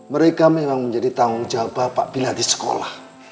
mereka memang menjadi tanggung jawab bapak bila di sekolah